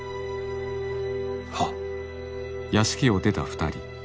はっ。